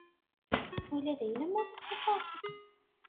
Ula d ayla-m ur ixuṣṣ ara.